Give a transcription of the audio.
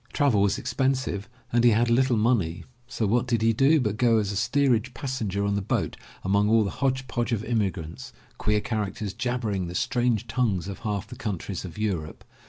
Travel was expensive and he had little money, so what did he do but go as a steerage passenger on the boat among all the hodge podge of immigrants — queer characters, jabbering the strange tongues of half the countries of Europe.